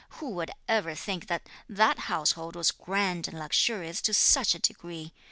Who would ever think that that household was grand and luxurious to such a degree!